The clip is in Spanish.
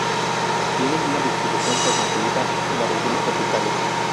Tiene una distribución cosmopolita en las regiones tropicales.